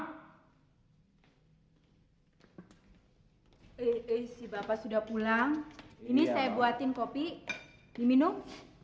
hai eh eh si bapak sudah pulang ini saya buatin kopi minum